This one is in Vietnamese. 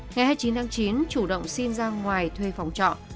ngày hai mươi chín tháng chín chủ động xin ra ngoài thuê phòng trọ